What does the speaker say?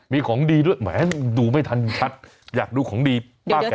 มีของดีด้วยแหมดูไม่ทันชัดอยากดูของดีมากกว่า